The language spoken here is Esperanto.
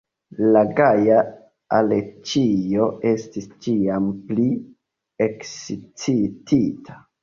La gaja Aleĉjo estis ĉiam pli ekscitita.